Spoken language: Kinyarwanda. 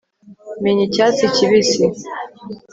menya icyatsi kibisi